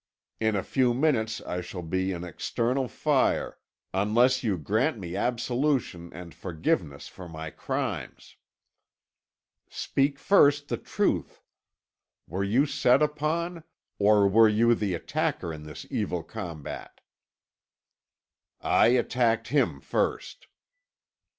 In a few minutes I shall be in eternal fire unless you grant me absolution and forgiveness for my crimes." "Speak first the truth. Were you set upon, or were you the attacker in this evil combat?" "I attacked him first."